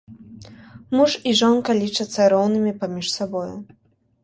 Муж і жонка лічацца роўнымі паміж сабою.